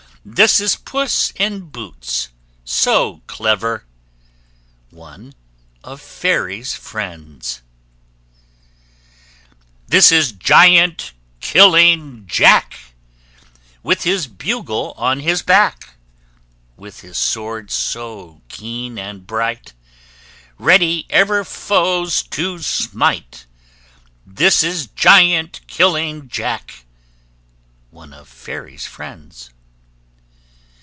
This is Puss in Boots, so clever ONE OF FAIRY'S FRIENDS. This is Giant killing Jack, With his bugle on his back, With his sword so keen and bright, Ready ever foes to smite! This is Giant killing Jack ONE OF FAIRY'S FRIENDS.